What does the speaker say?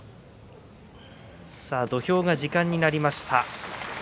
土俵が時間になりました。